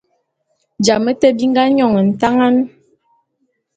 Jame te bi nga nyône ntangan.